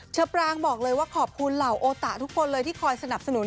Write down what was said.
ปรางบอกเลยว่าขอบคุณเหล่าโอตะทุกคนเลยที่คอยสนับสนุน